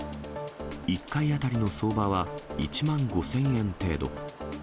１回当たりの相場は１万５０００円程度。